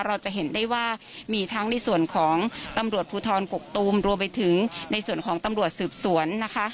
เราจะเห็นได้ว่ามีทั้งในส่วนของตำรวจภูทรกกตูมรวมไปถึงในส่วนของตำรวจสืบสวนนะคะ